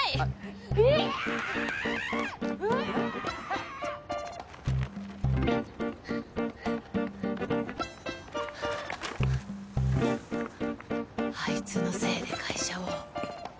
あいつのせいで会社を。